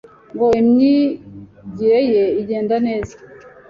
ngo imyigireye igende neza